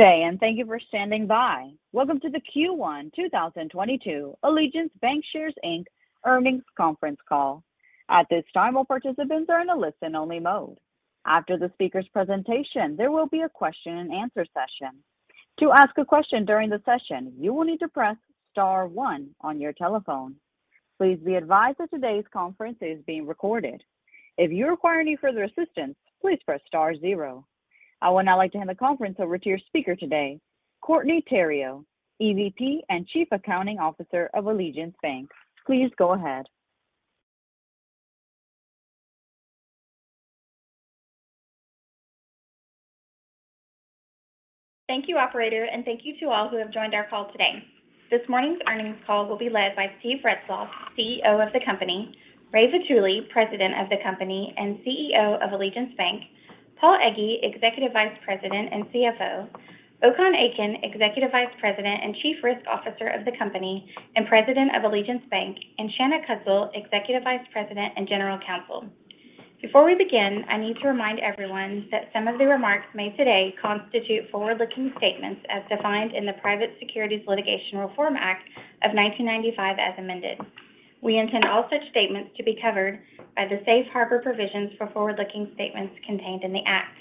Good day, and thank you for standing by. Welcome to the Q1 2022 Allegiance Bancshares, Inc. Earnings Conference Call. At this time, all participants are in a listen only mode. After the speaker's presentation, there will be a question and answer session. To ask a question during the session, you will need to press star one on your telephone. Please be advised that today's conference is being recorded. If you require any further assistance, please press star zero. I would now like to hand the conference over to your speaker today, Courtney Theriot, EVP and Chief Accounting Officer of Allegiance Bank. Please go ahead. Thank you, operator, and thank you to all who have joined our call today. This morning's earnings call will be led by Steve Retzloff, CEO of the company, Ramon Vitulli, President of the company and CEO of Allegiance Bank, Paul Egge, Executive Vice President and CFO, Okan Akin, Executive Vice President and Chief Risk Officer of the company and President of Allegiance Bank, and Shanna Kuzdzal, Executive Vice President and General Counsel. Before we begin, I need to remind everyone that some of the remarks made today constitute forward-looking statements as defined in the Private Securities Litigation Reform Act of 1995 as amended. We intend all such statements to be covered by the safe harbor provisions for forward-looking statements contained in the act.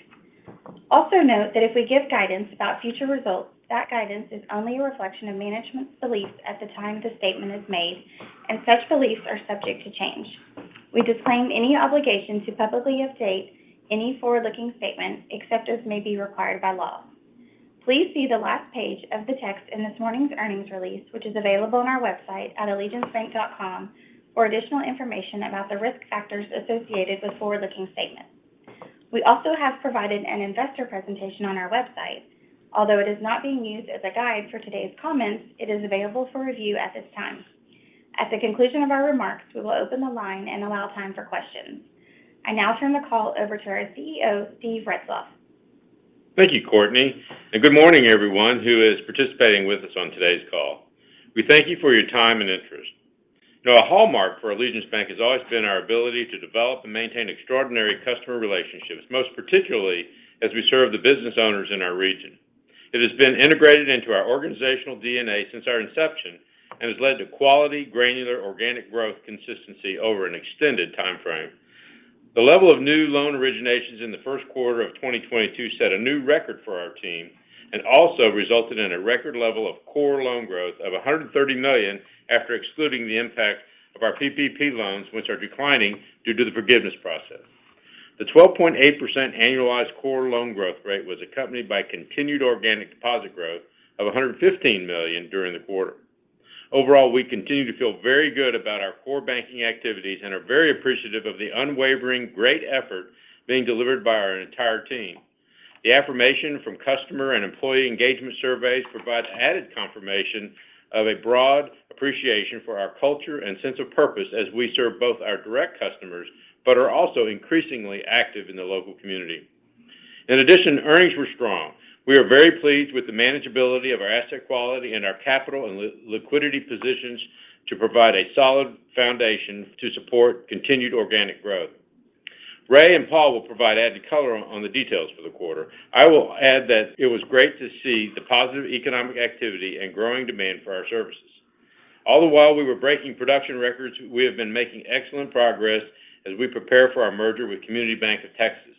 Also note that if we give guidance about future results, that guidance is only a reflection of management's beliefs at the time the statement is made, and such beliefs are subject to change. We disclaim any obligation to publicly update any forward-looking statement except as may be required by law. Please see the last page of the text in this morning's earnings release, which is available on our website at allegiancebank.com for additional information about the risk factors associated with forward-looking statements. We also have provided an investor presentation on our website. Although it is not being used as a guide for today's comments, it is available for review at this time. At the conclusion of our remarks, we will open the line and allow time for questions. I now turn the call over to our CEO, Steve Retzloff. Thank you, Courtney, and good morning, everyone who is participating with us on today's call. We thank you for your time and interest. Now, a hallmark for Allegiance Bank has always been our ability to develop and maintain extraordinary customer relationships, most particularly as we serve the business owners in our region. It has been integrated into our organizational DNA since our inception and has led to quality, granular, organic growth consistency over an extended timeframe. The level of new loan originations in the first quarter of 2022 set a new record for our team and also resulted in a record level of core loan growth of $130 million after excluding the impact of our PPP loans, which are declining due to the forgiveness process. The 12.8% annualized core loan growth rate was accompanied by continued organic deposit growth of $115 million during the quarter. Overall, we continue to feel very good about our core banking activities and are very appreciative of the unwavering great effort being delivered by our entire team. The affirmation from customer and employee engagement surveys provides added confirmation of a broad appreciation for our culture and sense of purpose as we serve both our direct customers but are also increasingly active in the local community. In addition, earnings were strong. We are very pleased with the manageability of our asset quality and our capital and liquidity positions to provide a solid foundation to support continued organic growth. Ray and Paul will provide added color on the details for the quarter. I will add that it was great to see the positive economic activity and growing demand for our services. All the while we were breaking production records, we have been making excellent progress as we prepare for our merger with Community Bank of Texas,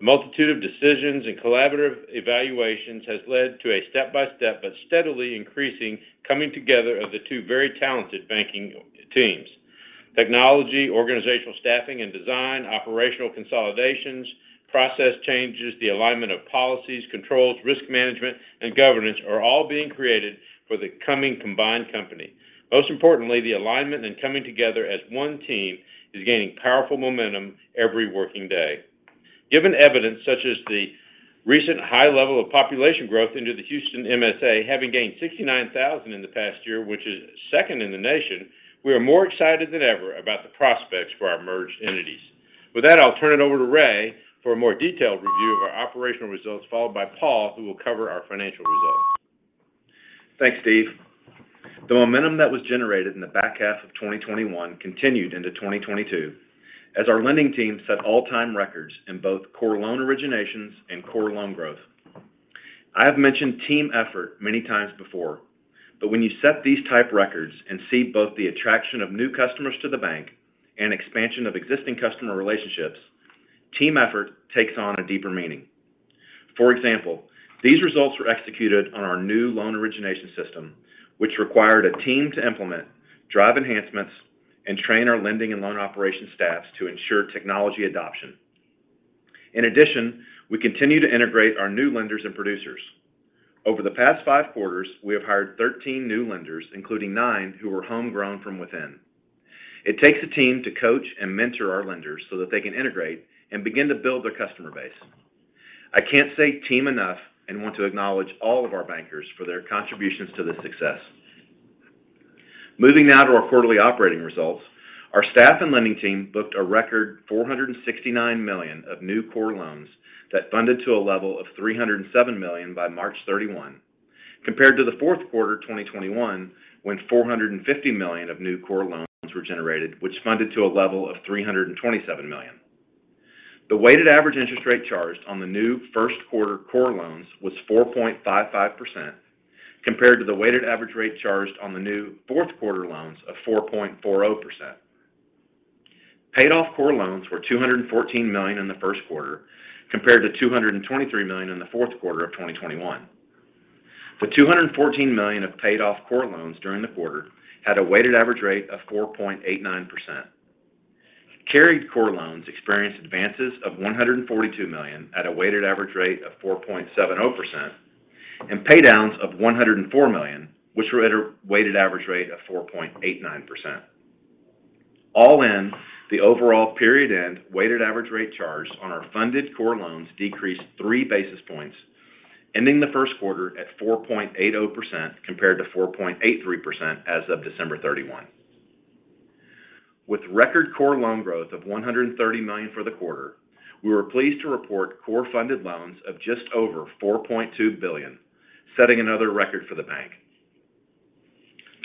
N.A. A multitude of decisions and collaborative evaluations has led to a step-by-step but steadily increasing coming together of the two very talented banking teams. Technology, organizational staffing and design, operational consolidations, process changes, the alignment of policies, controls, risk management, and governance are all being created for the coming combined company. Most importantly, the alignment and coming together as one team is gaining powerful momentum every working day. Given evidence such as the recent high level of population growth into the Houston MSA, having gained 69,000 in the past year, which is second in the nation, we are more excited than ever about the prospects for our merged entities. With that, I'll turn it over to Ray for a more detailed review of our operational results, followed by Paul, who will cover our financial results. Thanks, Steve. The momentum that was generated in the back half of 2021 continued into 2022 as our lending team set all-time records in both core loan originations and core loan growth. I have mentioned team effort many times before, but when you set these type records and see both the attraction of new customers to the bank and expansion of existing customer relationships, team effort takes on a deeper meaning. For example, these results were executed on our new loan origination system, which required a team to implement, drive enhancements, and train our lending and loan operation staffs to ensure technology adoption. In addition, we continue to integrate our new lenders and producers. Over the past five quarters, we have hired 13 new lenders, including nine who were home grown from within. It takes a team to coach and mentor our lenders so that they can integrate and begin to build their customer base. I can't say team enough and want to acknowledge all of our bankers for their contributions to this success. Moving now to our quarterly operating results, our staff and lending team booked a record $469 million of new core loans that funded to a level of $307 million by March 31, compared to the fourth quarter 2021, when $450 million of new core loans were generated, which funded to a level of $327 million. The weighted average interest rate charged on the new first quarter core loans was 4.55%, compared to the weighted average rate charged on the new fourth quarter loans of 4.40%. Paid off core loans were $214 million in the first quarter, compared to $223 million in the fourth quarter of 2021. The $214 million of paid off core loans during the quarter had a weighted average rate of 4.89%. Carried core loans experienced advances of $142 million at a weighted average rate of 4.70% and pay downs of $104 million, which were at a weighted average rate of 4.89%. All in, the overall period-end weighted average rate charged on our funded core loans decreased three basis points, ending the first quarter at 4.80% compared to 4.83% as of December 31. With record core loan growth of $130 million for the quarter, we were pleased to report core funded loans of just over $4.2 billion, setting another record for the bank.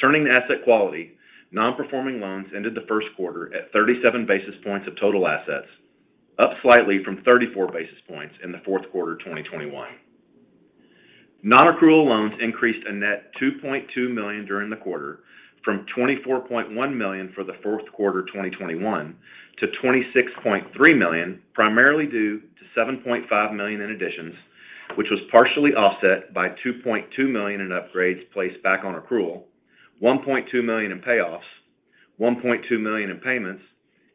Turning to asset quality, non-performing loans ended the first quarter at 37 basis points of total assets, up slightly from 34 basis points in the fourth quarter of 2021. Non-accrual loans increased a net $2.2 million during the quarter from $24.1 million for the fourth quarter 2021 to $26.3 million, primarily due to $7.5 million in additions, which was partially offset by $2.2 million in upgrades placed back on accrual, $1.2 million in payoffs, $1.2 million in payments,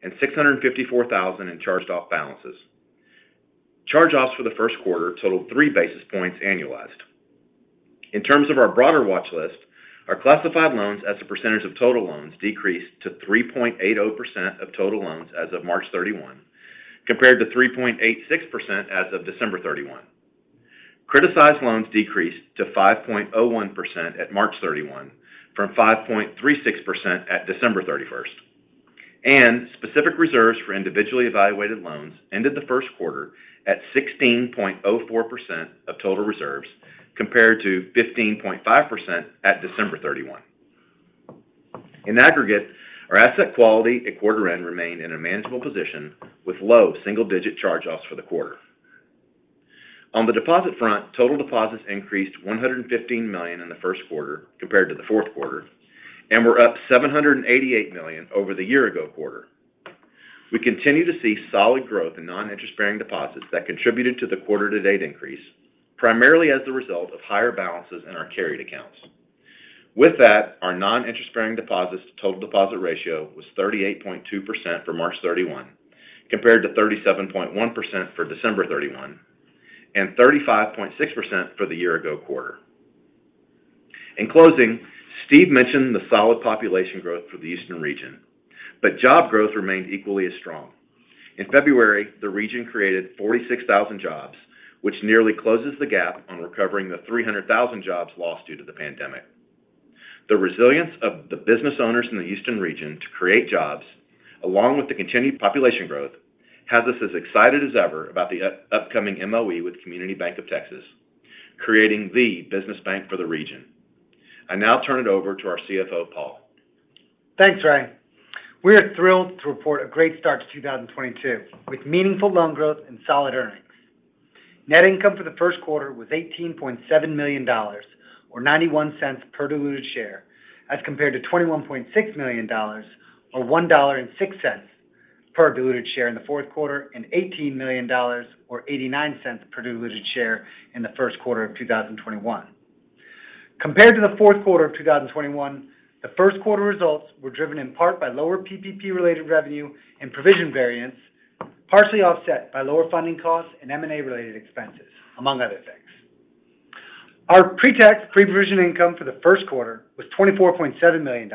and $654,000 in charged off balances. Charge-offs for the first quarter totaled three basis points annualized. In terms of our broader watch list, our classified loans as a percentage of total loans decreased to 3.80% of total loans as of March 31, compared to 3.86% as of December 31. Criticized loans decreased to 5.01% at March 31 from 5.36% at December 31st. Specific reserves for individually evaluated loans ended the first quarter at 16.04% of total reserves, compared to 15.5% at December 31. In aggregate, our asset quality at quarter end remained in a manageable position with low single-digit charge-offs for the quarter. On the deposit front, total deposits increased $115 million in the first quarter compared to the fourth quarter, and were up $788 million over the year ago quarter. We continue to see solid growth in non-interest bearing deposits that contributed to the quarter-to-date increase, primarily as the result of higher balances in our carried accounts. With that, our non-interest bearing deposits to total deposit ratio was 38.2% for March 31, compared to 37.1% for December 31, and 35.6% for the year-ago quarter. In closing, Steve mentioned the solid population growth for the Houston region, but job growth remained equally as strong. In February, the region created 46,000 jobs, which nearly closes the gap on recovering the 300,000 jobs lost due to the pandemic. The resilience of the business owners in the Houston region to create jobs, along with the continued population growth, has us as excited as ever about the upcoming MOE with Community Bank of Texas, N.A., creating the business bank for the region. I now turn it over to our CFO, Paul. Thanks, Ramon Vitulli. We are thrilled to report a great start to 2022 with meaningful loan growth and solid earnings. Net income for the first quarter was $18.7 million or $0.91 per diluted share, as compared to $21.6 million or $1.06 per diluted share in the fourth quarter and $18 million or $0.89 per diluted share in the first quarter of 2021. Compared to the fourth quarter of 2021, the first quarter results were driven in part by lower PPP related revenue and provision variance, partially offset by lower funding costs and M&A related expenses, among other things. Our pre-tax, pre-provision income for the first quarter was $24.7 million,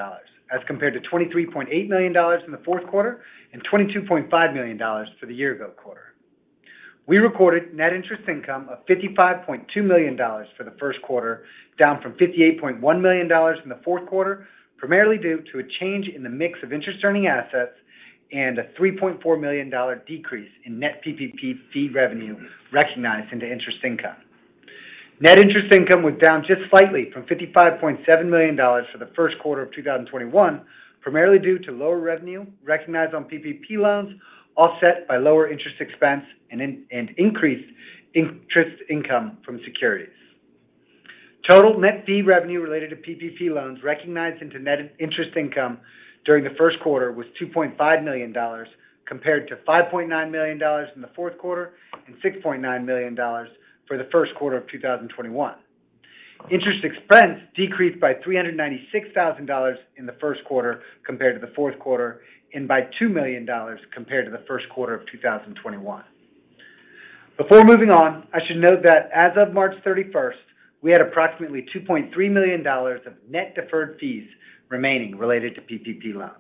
as compared to $23.8 million in the fourth quarter and $22.5 million for the year ago quarter. We recorded net interest income of $55.2 million for the first quarter, down from $58.1 million in the fourth quarter, primarily due to a change in the mix of interest earning assets and a $3.4 million decrease in net PPP fee revenue recognized into interest income. Net interest income was down just slightly from $55.7 million for the first quarter of 2021, primarily due to lower revenue recognized on PPP loans offset by lower interest expense and increased interest income from securities. Total net fee revenue related to PPP loans recognized into net interest income during the first quarter was $2.5 million, compared to $5.9 million in the fourth quarter and $6.9 million for the first quarter of 2021. Interest expense decreased by $396,000 in the first quarter compared to the fourth quarter, and by $2 million compared to the first quarter of 2021. Before moving on, I should note that as of March 31st, we had approximately $2.3 million of net deferred fees remaining related to PPP loans.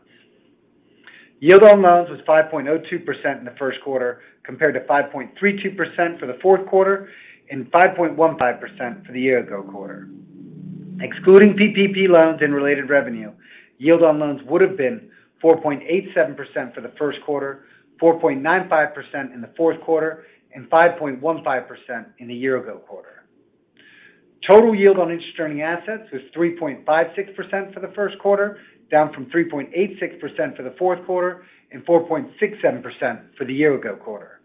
Yield on loans was 5.02% in the first quarter, compared to 5.32% for the fourth quarter and 5.15% for the year-ago quarter. Excluding PPP loans and related revenue, yield on loans would have been 4.87% for the first quarter, 4.95% in the fourth quarter, and 5.15% in the year ago quarter. Total yield on interest earning assets was 3.56% for the first quarter, down from 3.86% for the fourth quarter and 4.67% for the year ago quarter.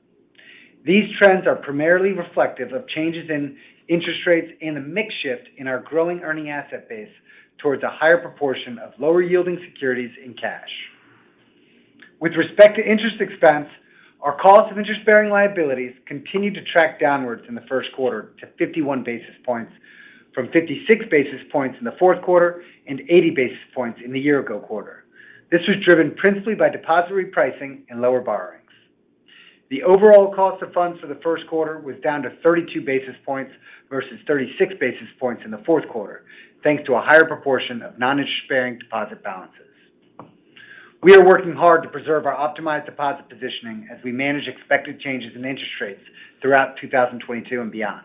These trends are primarily reflective of changes in interest rates and a mix shift in our growing earning asset base towards a higher proportion of lower yielding securities in cash. With respect to interest expense, our cost of interest-bearing liabilities continued to track downwards in the first quarter to 51 basis points from 56 basis points in the fourth quarter and 80 basis points in the year ago quarter. This was driven principally by depository pricing and lower borrowings. The overall cost of funds for the first quarter was down to 32 basis points versus 36 basis points in the fourth quarter, thanks to a higher proportion of non-interest-bearing deposit balances. We are working hard to preserve our optimized deposit positioning as we manage expected changes in interest rates throughout 2022 and beyond.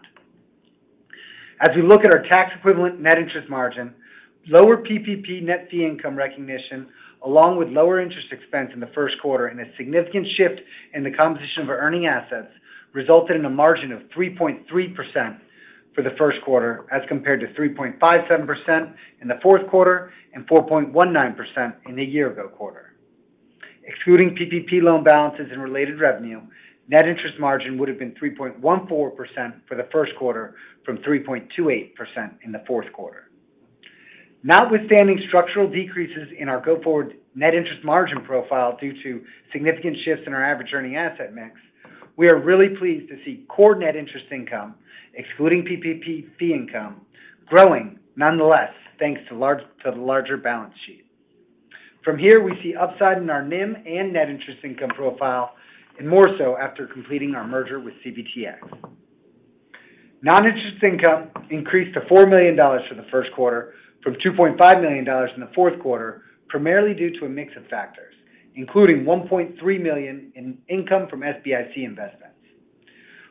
As we look at our tax equivalent net interest margin, lower PPP net fee income recognition, along with lower interest expense in the first quarter and a significant shift in the composition of our earning assets, resulted in a margin of 3.3% for the first quarter as compared to 3.57% in the fourth quarter and 4.19% in the year ago quarter. Excluding PPP loan balances and related revenue, net interest margin would have been 3.14% for the first quarter from 3.28% in the fourth quarter. Notwithstanding structural decreases in our go-forward net interest margin profile due to significant shifts in our average earning asset mix, we are really pleased to see core net interest income, excluding PPP fee income, growing nonetheless, thanks to the larger balance sheet. From here, we see upside in our NIM and net interest income profile, and more so after completing our merger with CBTX. Non-interest income increased to $4 million for the first quarter from $2.5 million in the fourth quarter, primarily due to a mix of factors, including $1.3 million in income from SBIC investments.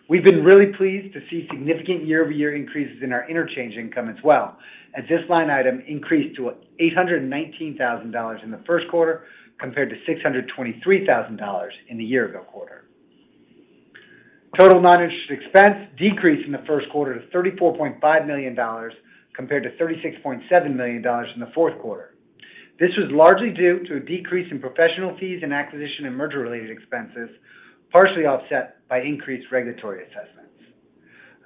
We've been really pleased to see significant year-over-year increases in our interchange income as well, as this line item increased to $819,000 in the first quarter compared to $623,000 in the year ago quarter. Total non-interest expense decreased in the first quarter to $34.5 million compared to $36.7 million in the fourth quarter. This was largely due to a decrease in professional fees and acquisition and merger related expenses, partially offset by increased regulatory assessments.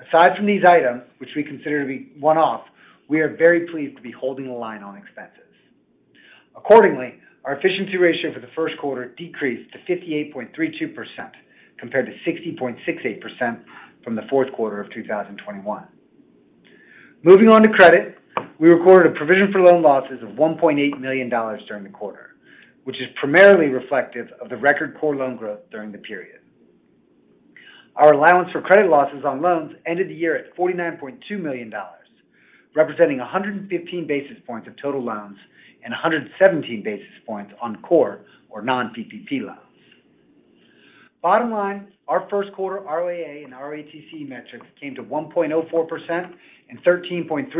Aside from these items, which we consider to be one-off, we are very pleased to be holding the line on expenses. Accordingly, our efficiency ratio for the first quarter decreased to 58.32% compared to 60.68% from the fourth quarter of 2021. Moving on to credit, we recorded a provision for loan losses of $1.8 million during the quarter, which is primarily reflective of the record core loan growth during the period. Our allowance for credit losses on loans ended the year at $49.2 million, representing 115 basis points of total loans and 117 basis points on core or non-PPP loans. Bottom line, our first quarter ROA and ROTCE metrics came to 1.04% and 13.35%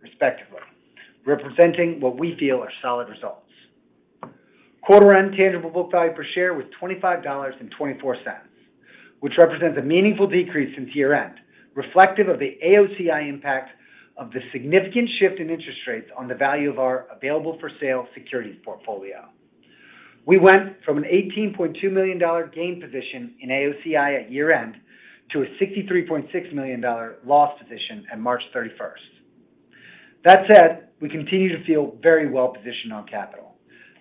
respectively, representing what we feel are solid results. Quarter-end tangible book value per share was $25.24, which represents a meaningful decrease since year-end, reflective of the AOCI impact of the significant shift in interest rates on the value of our available-for-sale securities portfolio. We went from a $18.2 million gain position in AOCI at year-end to a $63.6 million loss position at March 31st. That said, we continue to feel very well positioned on capital.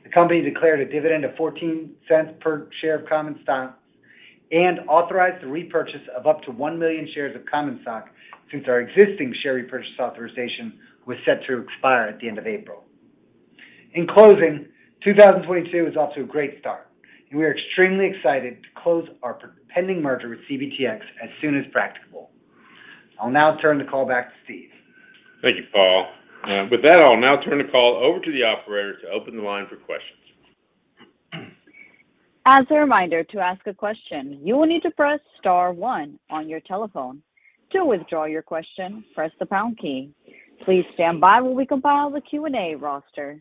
The company declared a dividend of $0.14 per share of common stock and authorized the repurchase of up to 1 million shares of common stock since our existing share repurchase authorization was set to expire at the end of April. In closing, 2022 is off to a great start, and we are extremely excited to close our pending merger with CBTX as soon as practicable. I'll now turn the call back to Steve. Thank you, Paul. With that, I'll now turn the call over to the operator to open the line for questions. As a reminder, to ask a question, you will need to press star one on your telephone. To withdraw your question, press the pound key. Please stand by while we compile the Q&A roster.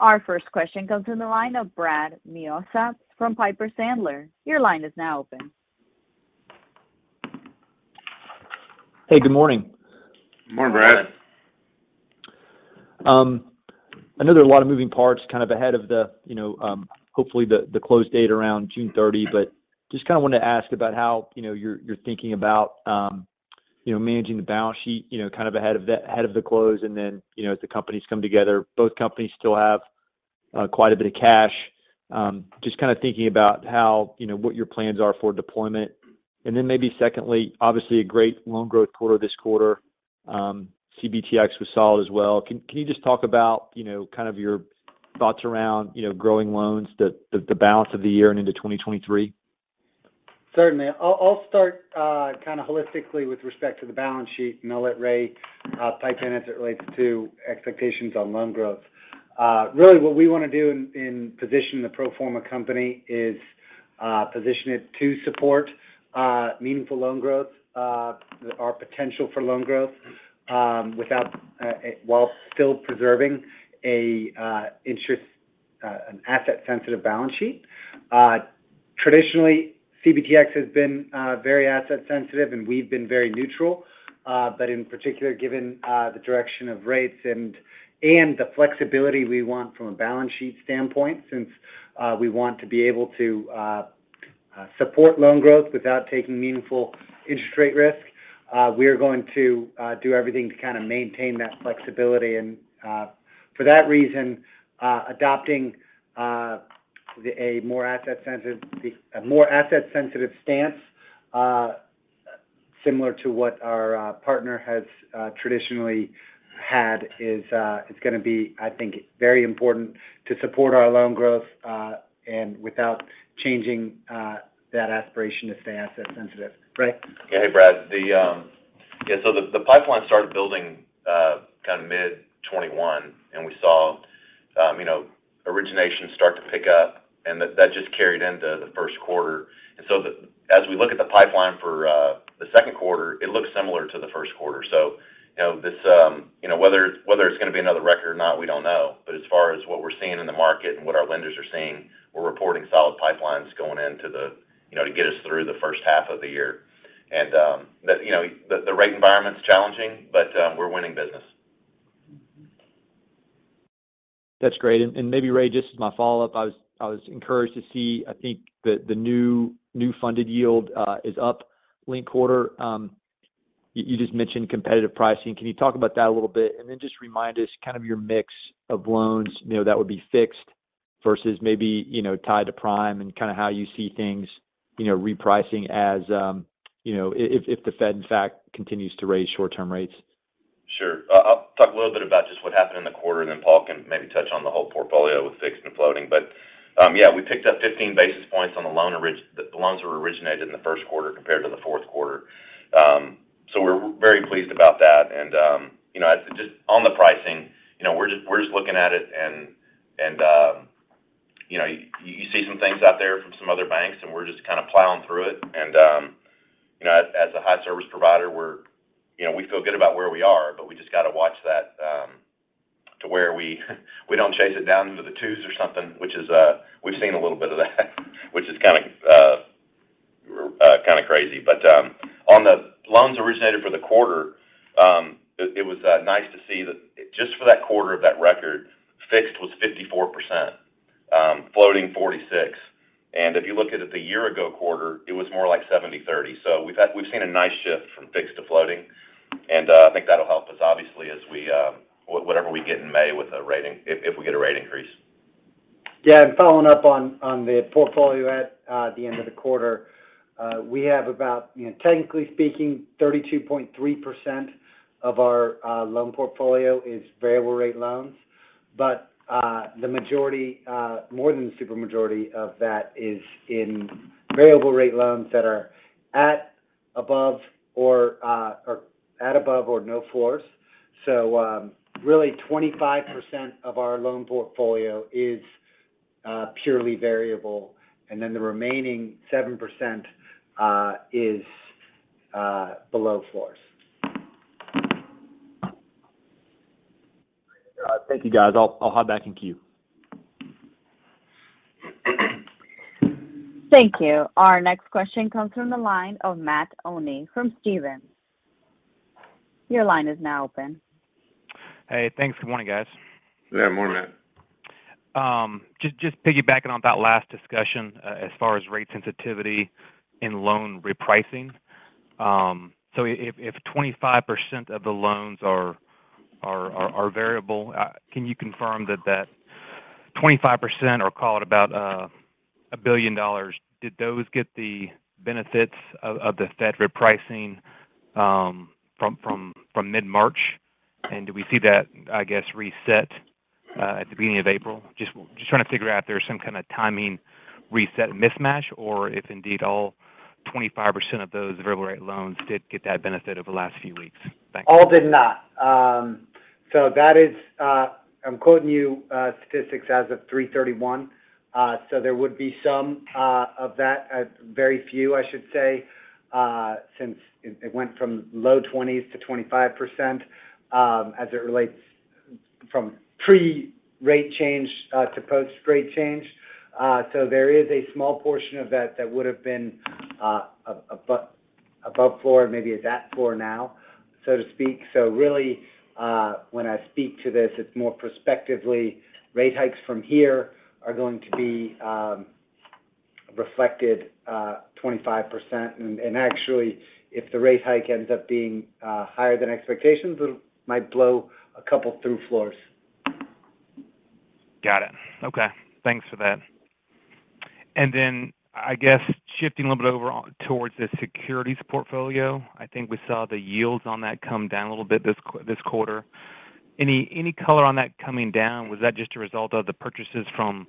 Our first question comes from the line of Brad Milsaps from Piper Sandler. Your line is now open. Hey, good morning. Good morning, Brad. I know there are a lot of moving parts kind of ahead of the, you know, hopefully the close date around June 30th, but just kinda wanted to ask about how, you know, you're thinking about, you know, managing the balance sheet, you know, kind of ahead of the close and then, you know, as the companies come together. Both companies still have quite a bit of cash. Just kinda thinking about how, you know, what your plans are for deployment. Then maybe secondly, obviously a great loan growth quarter this quarter. CBTX was solid as well. Can you just talk about, you know, kind of your thoughts around, you know, growing loans the balance of the year and into 2023? Certainly. I'll start kinda holistically with respect to the balance sheet and I'll let Ray pipe in as it relates to expectations on loan growth. Really what we wanna do in positioning the pro forma company is position it to support meaningful loan growth, our potential for loan growth, without while still preserving an asset-sensitive balance sheet. Traditionally, CBTX has been very asset-sensitive, and we've been very neutral. In particular, given the direction of rates and the flexibility we want from a balance sheet standpoint since we want to be able to support loan growth without taking meaningful interest rate risk, we are going to do everything to kind of maintain that flexibility. For that reason, adopting a more asset-sensitive stance, similar to what our partner has traditionally had, is gonna be, I think, very important to support our loan growth and without changing that aspiration to stay asset sensitive. Ray. Yeah. Hey, Brad. The pipeline started building kind of mid-2021, and we saw, you know, origination start to pick up, and that just carried into the first quarter. As we look at the pipeline for the second quarter, it looks similar to the first quarter. You know, this, you know, whether it's going to be another record or not, we don't know. But as far as what we're seeing in the market and what our lenders are seeing, we're reporting solid pipelines going into, you know, to get us through the first half of the year. The rate environment's challenging, but we're winning business. That's great. Maybe Ray, just as my follow-up, I was encouraged to see, I think, the new funded yield is up linked quarter. You just mentioned competitive pricing. Can you talk about that a little bit? Then just remind us kind of your mix of loans, you know, that would be fixed versus maybe, you know, tied to prime and kind of how you see things, you know, repricing as, you know, if the Fed, in fact, continues to raise short-term rates. Sure. I'll talk a little bit about just what happened in the quarter, and then Paul Egge can maybe touch on the whole portfolio with fixed and floating. We picked up 15 basis points on the loans that were originated in the first quarter compared to the fourth quarter. We're very pleased about that. You know, just on the pricing, you know, we're just looking at it and, you know, you see some things out there from some other banks, and we're just kind of plowing through it. You know, as a high service provider, we're, you know, we feel good about where we are, but we just got to watch that to where we don't chase it down into the twos or something, which is, we've seen a little bit of that which is kind of crazy. On the loans originated for the quarter, it was nice to see that just for that quarter of that record, fixed was 54%, floating 46. If you look at it the year-ago quarter, it was more like 70/30. So we've seen a nice shift from fixed to floating. I think that'll help us obviously as we whatever we get in May with a rating, if we get a rate increase. Yeah. Following up on the portfolio at the end of the quarter, we have about, you know, technically speaking, 32.3% of our loan portfolio is variable rate loans. But the majority, more than the super majority of that is in variable rate loans that are at or above 4s. Really 25% of our loan portfolio is purely variable, and then the remaining 7% is below 4s. Thank you, guys. I'll hop back in queue. Thank you. Our next question comes from the line of Matt Olney from Stephens. Your line is now open. Hey, thanks. Good morning, guys. Yeah, morning, Matt. Just piggybacking on that last discussion, as far as rate sensitivity and loan repricing. If 25% of the loans are variable, can you confirm that 25% or call it about $1 billion, did those get the benefits of the Fed repricing from mid-March? Do we see that, I guess, reset at the beginning of April? Just trying to figure out if there's some kind of timing reset mismatch or if indeed all 25% of those variable rate loans did get that benefit over the last few weeks. Thanks. All did not. That is, I'm quoting you statistics as of 3/31. There would be some of that, very few, I should say, since it went from low 20%s to 25%, as it relates from pre-rate change to post-rate change. There is a small portion of that that would have been above four, maybe it's at four now, so to speak. Really, when I speak to this, it's more prospectively rate hikes from here are going to be reflected 25%. Actually, if the rate hike ends up being higher than expectations, it might blow a couple through 4s. Got it. Okay. Thanks for that. I guess shifting a little bit over towards the securities portfolio. I think we saw the yields on that come down a little bit this quarter. Any color on that coming down? Was that just a result of the purchases from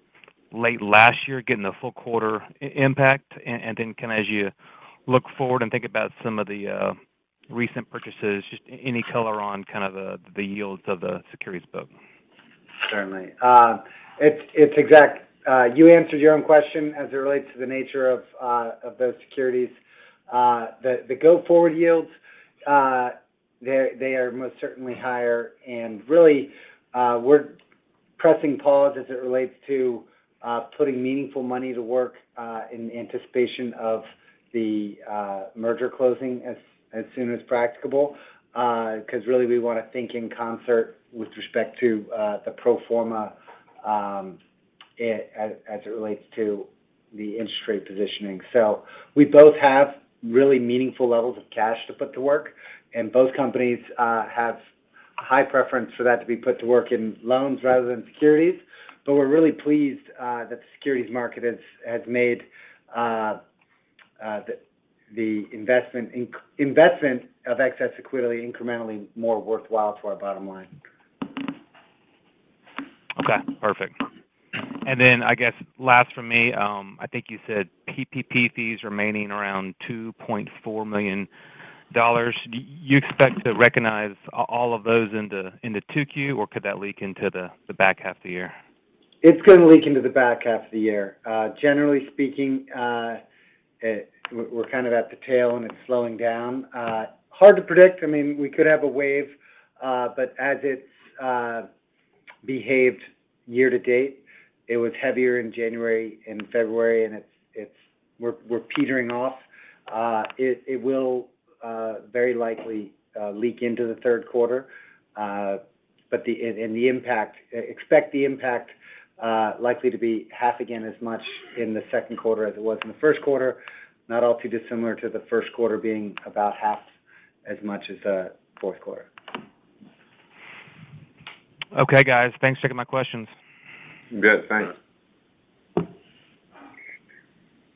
late last year getting a full quarter impact? And as you look forward and think about some of the recent purchases, just any color on kind of the yields of the securities book? Certainly. You answered your own question as it relates to the nature of those securities. The go-forward yields, they are most certainly higher. Really, we're pressing pause as it relates to putting meaningful money to work in anticipation of the merger closing as soon as practicable. 'Cause really we wanna think in concert with respect to the pro forma as it relates to the interest rate positioning. We both have really meaningful levels of cash to put to work, and both companies have a high preference for that to be put to work in loans rather than securities. We're really pleased that the securities market has made the investment of excess equity incrementally more worthwhile to our bottom line. Okay, perfect. I guess last from me, I think you said PPP fees remaining around $2.4 million. Do you expect to recognize all of those into 2Q, or could that leak into the back half of the year? It's gonna leak into the back half of the year. Generally speaking, we're kind of at the tail and it's slowing down. Hard to predict. I mean, we could have a wave. But as it's behaved year to date, it was heavier in January and February and we're petering off. It will very likely leak into the third quarter. But expect the impact likely to be half again as much in the second quarter as it was in the first quarter. Not all too dissimilar to the first quarter being about half as much as fourth quarter. Okay, guys. Thanks. Taking my questions. Good. Thanks.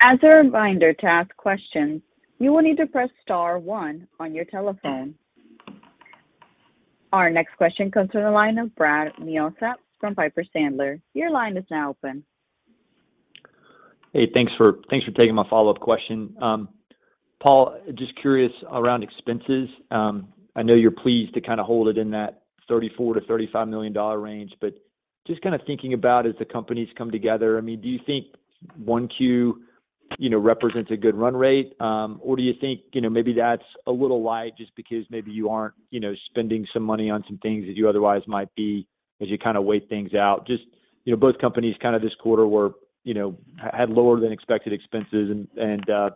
As a reminder, to ask questions, you will need to press star one on your telephone. Our next question comes from the line of Brad Milsaps from Piper Sandler. Your line is now open. Hey, thanks for taking my follow-up question. Paul, just curious around expenses. I know you're pleased to kind of hold it in that $34 million-$35 million range, but just kind of thinking about as the companies come together, I mean, do you think 1Q, you know, represents a good run rate? Or do you think, you know, maybe that's a little light just because maybe you aren't, you know, spending some money on some things that you otherwise might be as you kind of wait things out? Just, you know, both companies kind of this quarter were, you know, had lower than expected expenses and,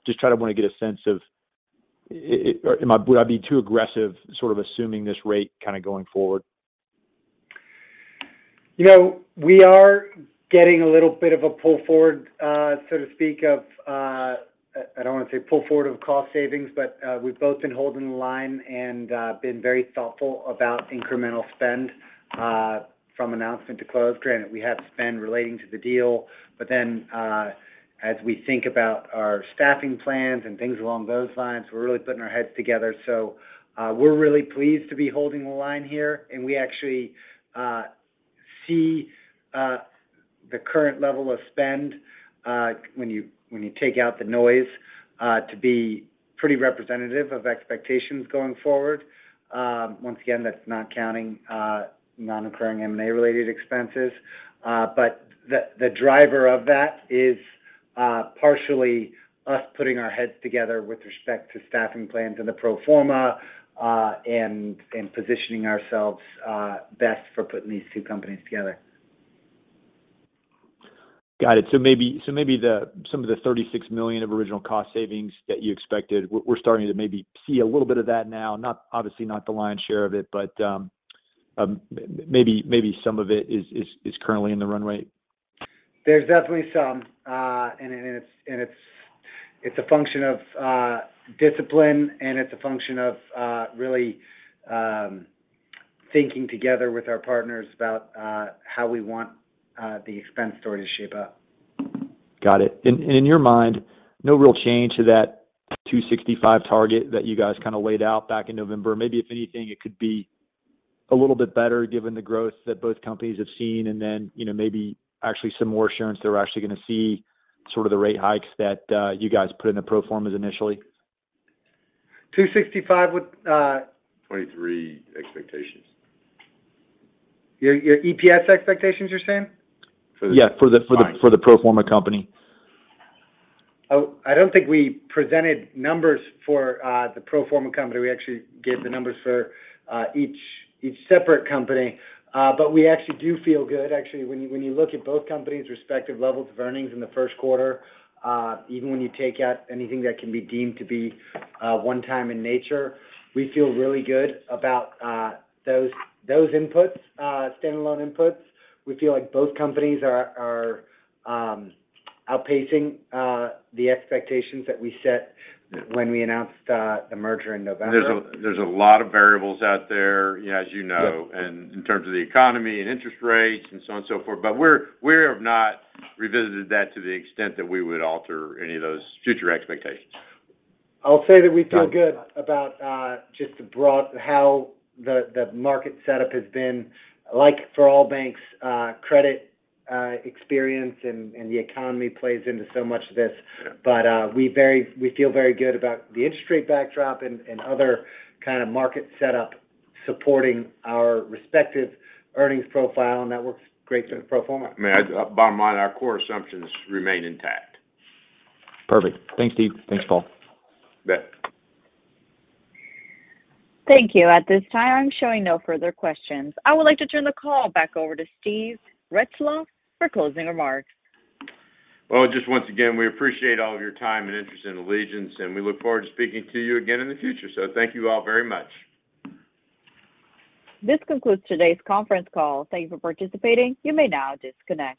just trying to get a sense of, or am I, would I be too aggressive sort of assuming this rate kind of going forward? You know, we are getting a little bit of a pull forward, so to speak, of, I don't want to say pull forward of cost savings, but we've both been holding the line and been very thoughtful about incremental spend from announcement to close. Granted, we have spend relating to the deal, but then, as we think about our staffing plans and things along those lines, we're really putting our heads together. We're really pleased to be holding the line here, and we actually see the current level of spend, when you take out the noise, to be pretty representative of expectations going forward. Once again, that's not counting non-occurring M&A related expenses. The driver of that is partially us putting our heads together with respect to staffing plans and the pro forma and positioning ourselves best for putting these two companies together. Got it. Maybe some of the $36 million of original cost savings that you expected, we're starting to maybe see a little bit of that now. Not, obviously, not the lion's share of it, but maybe some of it is currently in the run rate. It's a function of discipline, and it's a function of really thinking together with our partners about how we want the expense story to shape up. Got it. In your mind, no real change to that $265 target that you guys kind of laid out back in November. Maybe if anything, it could be a little bit better given the growth that both companies have seen and then, you know, maybe actually some more assurance they're actually gonna see sort of the rate hikes that you guys put in the pro formas initially. $265 with, 23 expectations. Your EPS expectations, you're saying? For the- Yeah. Fine... for the pro forma company. I don't think we presented numbers for the pro forma company. We actually gave the numbers for each separate company. We actually do feel good. Actually, when you look at both companies respective levels of earnings in the first quarter, even when you take out anything that can be deemed to be one-time in nature, we feel really good about those standalone inputs. We feel like both companies are outpacing the expectations that we set when we announced the merger in November. There's a lot of variables out there, as you know. Yes In terms of the economy and interest rates and so on and so forth. We have not revisited that to the extent that we would alter any of those future expectations. I'll say that we feel good. John About just how the market setup has been. Like for all banks, credit experience and the economy plays into so much of this. We feel very good about the interest rate backdrop and other kind of market setup supporting our respective earnings profile, and that works great for the pro forma. I mean, bottom line, our core assumptions remain intact. Perfect. Thanks, Steve. Thanks, Paul. You bet. Thank you. At this time, I'm showing no further questions. I would like to turn the call back over to Steve Retzloff for closing remarks. Well, just once again, we appreciate all of your time and interest in Allegiance, and we look forward to speaking to you again in the future. Thank you all very much. This concludes today's conference call. Thank you for participating. You may now disconnect.